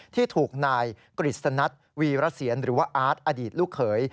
ที่ถูกนายกฤษณัทวีรเสียนหรือว่าอาร์ตอดีตลูกเขย